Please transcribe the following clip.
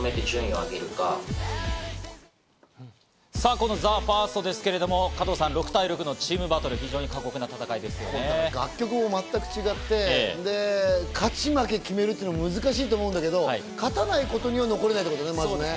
このＴＨＥＦＩＲＳＴですけれども、加藤さん、６対６のチームバトル、非常に過酷な戦いで楽曲も全く違って、勝ち負け決めるというのが難しいと思うんだけど、勝たないことには残れないってことね。